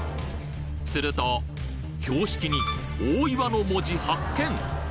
すると標識に「大岩」の文字発見！